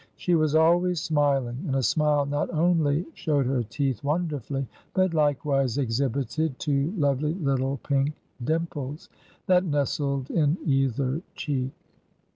... She was always smiling, and a smile not only showed her teeth wonderfully, but likewise exhibited two lovely little pink dimples, that nestled in either cheek."